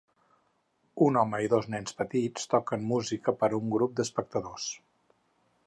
Un home i dos nens petits toquen música per a un grup d'espectadors.